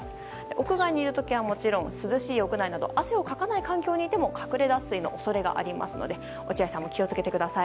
屋外にいる時はもちろん涼しい屋内など汗をかかない環境にいても隠れ脱水の恐れがありますので落合さんも気を付けてください。